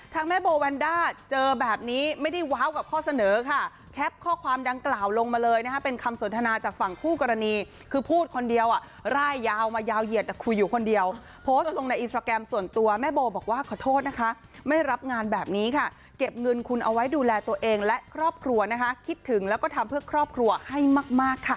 แม่โบแวนด้าเจอแบบนี้ไม่ได้ว้าวกับข้อเสนอค่ะแคปข้อความดังกล่าวลงมาเลยนะคะเป็นคำสนทนาจากฝั่งคู่กรณีคือพูดคนเดียวอ่ะร่ายยาวมายาวเหยียดแต่คุยอยู่คนเดียวโพสต์ลงในอินสตราแกรมส่วนตัวแม่โบบอกว่าขอโทษนะคะไม่รับงานแบบนี้ค่ะเก็บเงินคุณเอาไว้ดูแลตัวเองและครอบครัวนะคะคิดถึงแล้วก็ทำเพื่อครอบครัวให้มากค่ะ